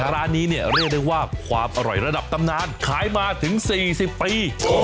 ร้านนี้เนี่ยเรียกได้ว่าความอร่อยระดับตำนานขายมาถึง๔๐ปี